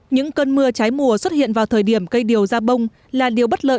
những cơn mưa cháy mùa xuất hiện vào thời điểm cây điều ra bông là điều bất lợi